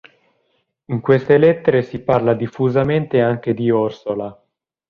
In queste lettere si parla diffusamente anche di Orsola.